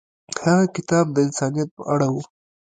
هغه کتاب د انسانیت په اړه و.